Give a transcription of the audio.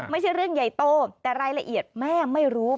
ไม่ใช่เรื่องใหญ่โตแต่รายละเอียดแม่ไม่รู้